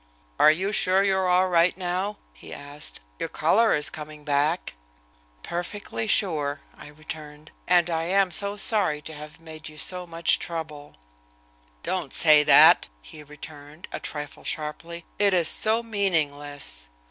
"Are you sure you are all right now?" he asked. "Your color is coming back." "Perfectly sure," I returned, "and I am so sorry to have made you so much trouble." "Don't say that," he returned, a trifle sharply. "It is so meaningless.